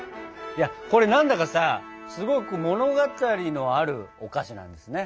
いやこれ何だかさすごく物語のあるお菓子なんですね。